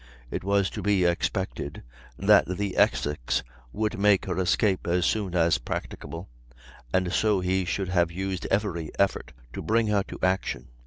It was to be expected that the Essex would make her escape as soon as practicable, and so he should have used every effort to bring her to action.